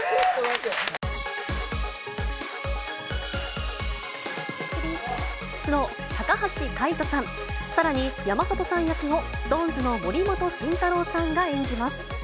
Ｋｉｎｇ＆Ｐｒｉｎｃｅの高橋海人さん、さらに山里さん役をＳｉｘＴＯＮＥＳの森本慎太郎さんが演じます。